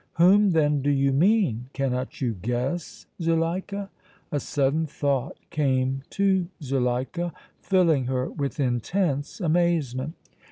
"Whom then do you mean?" "Cannot you guess, Zuleika?" A sudden thought came to Zuleika, filling her with intense amazement.